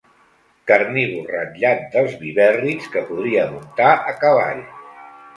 Carnívor ratllat dels vivèrrids que podria muntar a cavall.